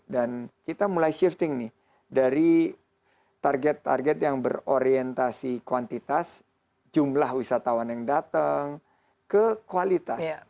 dan kita mulai shifting nih dari target target yang berorientasi kuantitas jumlah wisatawan yang datang ke kualitas